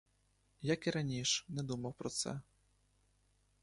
Як і раніш, не думав про це.